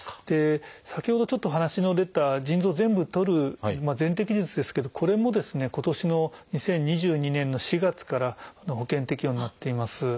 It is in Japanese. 先ほどちょっとお話の出た腎臓全部とる全摘術ですけどこれもですね今年の２０２２年の４月から保険適用になっています。